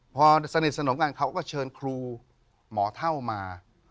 พอสนิทสนมกันเขาก็เชิญครูหมอเท่ามา